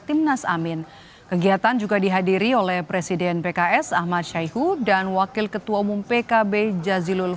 timnas amin kegiatan juga dihadiri oleh presiden pks ahmad syaihu dan wakil ketua umum pkb jazilul